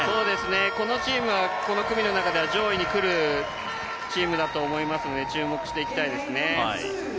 このチームはこの組の中では上位に来るチームだと思いますので注目していきたいですね。